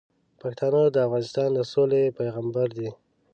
پښتانه د افغانستان د سولې پیغامبر دي.